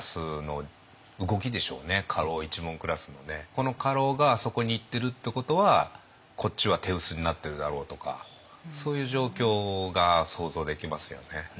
この家老があそこに行ってるってことはこっちは手薄になってるだろうとかそういう状況が想像できますよね。